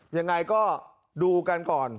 ยังไงก็ดูกันก่อน